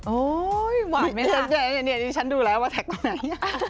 โอ้ยหวานไหมล่ะนี่นี่ฉันดูแล้วว่าแท็กตัวไหน